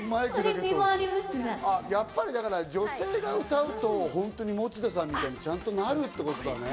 やっぱり女性が歌うと、本当に持田さんみたいにちゃんとなるってことだね。